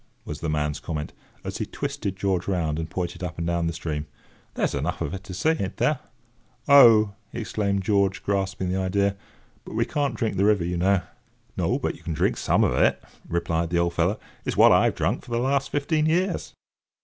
was the man's comment, as he twisted George round and pointed up and down the stream. "There's enough of it to see, ain't there?" "Oh!" exclaimed George, grasping the idea; "but we can't drink the river, you know!" "No; but you can drink some of it," replied the old fellow. "It's what I've drunk for the last fifteen years."